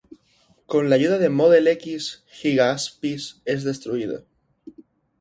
Con la ayuda de Model X, Giga Aspis es destruido.